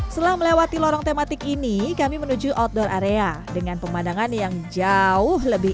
setelah melewati lorong tematik ini kami menuju outdoor area dengan pemandangan yang jauh lebih